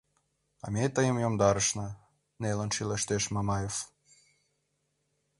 — А ме тыйым йомдарышна... — нелын шӱлештеш Мамаев.